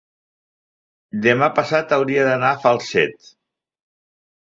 demà passat hauria d'anar a Falset.